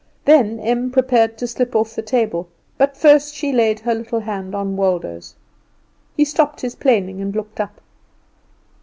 Then Em prepared to slip off the table, but first she laid her little hand on Waldo's. He stopped his planing and looked up.